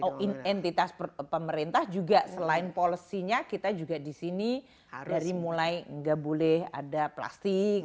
oh entitas pemerintah juga selain policy nya kita juga di sini dari mulai nggak boleh ada plastik